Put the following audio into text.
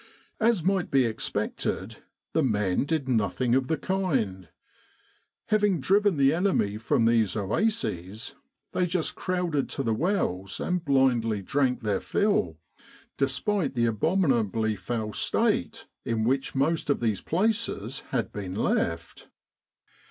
As might be expected, the men did nothing of the kind. Having driven the enemy from these oases, they just crowded to the wells and blindly drank their fill, despite the abominably foul state in which most of these places M 181 With the R.A.M.C. in Egypt had been left.